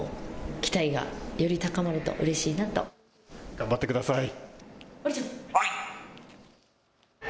頑張ってください。